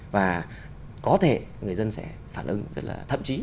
và có thể người dân sẽ phản ứng rất là thậm chí